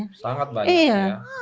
iya sangat banyak ya